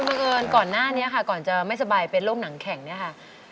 บังเอิญก่อนหน้านี้ค่ะก่อนจะไม่สบายเป็นโรคหนังแข็งเนี่ยค่ะ